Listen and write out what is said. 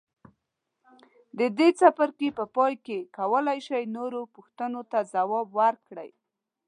د دې څپرکي په پای کې کولای شئ نوموړو پوښتنو ته ځواب ورکړئ.